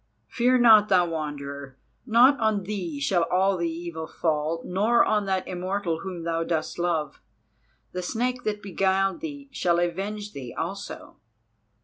"Fear not, thou Wanderer, not on thee shall all the evil fall, nor on that Immortal whom thou dost love; the Snake that beguiled thee shall avenge thee also."